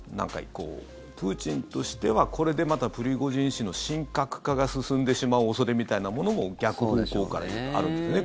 プーチンとしてはこれでまたプリゴジン氏の神格化が進んでしまう恐れみたいなものも逆方向からあるんですね。